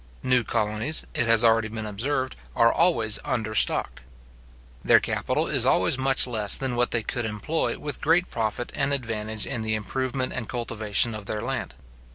New colonies, it has already been observed, are always understocked. Their capital is always much less than what they could employ with great profit and advantage in the improvement and cultivation of their land.